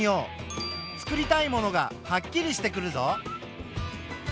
作りたいものがはっきりしてくるぞ。